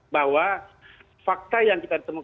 bahwa kita harus mencari pengawasan yang lebih baik